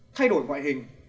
thay đổi ngoại hình